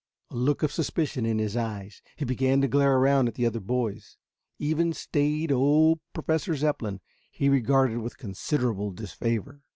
A look of suspicion in his eyes, he began to glare around at the other boys. Even staid old Professor Zepplin he regarded with considerable disfavor.